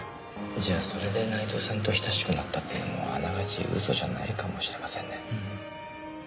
じゃあそれで内藤さんと親しくなったっていうのもあながち嘘じゃないかもしれませんね。